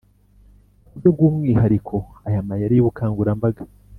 Ku buryo bw umwihariko aya mayeri y ubukangurambaga